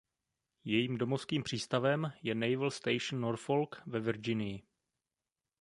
Jejím domovským přístavem je Naval Station Norfolk ve Virginii.